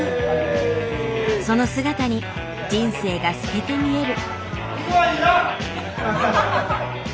その姿に人生が透けて見える。